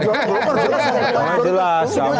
bukan jelas kok